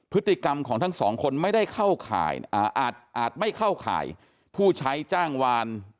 พฤติกรรมของทั้งสองคนไม่ได้เข้าข่ายอาจไม่เข้าข่ายผู้ใช้จ้างวาน